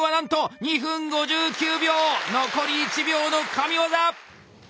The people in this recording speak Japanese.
残り１秒の神業！